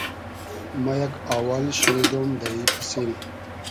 ما یئگ آوال شینیدۉم دۂ ای پئسین